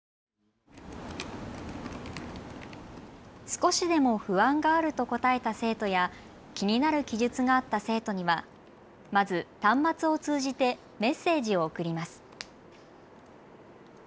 少しでも不安があると答えた生徒や気になる記述があった生徒にはまず端末を通じてメッセージを送ります。